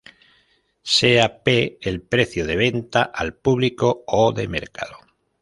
Sea P el precio de venta al público o de mercado.